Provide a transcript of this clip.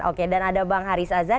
oke dan ada bang haris azhar